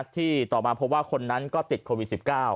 ที่ต่อมาพบว่าคนนั้นก็ติดโควิด๑๙